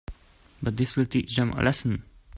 But this'll teach them a lesson.